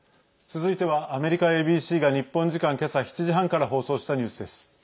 続いてはアメリカＡＢＣが日本時間けさ７時半から放送したニュースです。